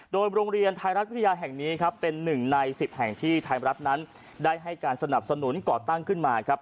โดยโรงเรียนไทยรัฐวิทยาแห่งนี้ครับเป็นหนึ่งใน๑๐แห่งที่ไทยรัฐนั้นได้ให้การสนับสนุนก่อตั้งขึ้นมาครับ